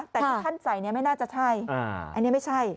แต่ที่ท่านใส่ไม่น่าจะใช่อันนี้ไม่ใช่